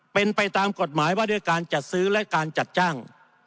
เป็นไปตามกฎหมายว่าด้วยการจัดซื้อและการจัดจ้าง